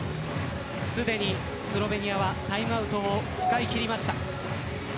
すでに、スロベニアはタイムアウトを使い切りました。